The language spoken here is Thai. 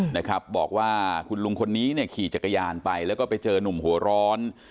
นะครับบอกว่าคุณลุงคนนี้เนี่ยขี่จักรยานไปแล้วก็ไปเจอนุ่มหัวร้อน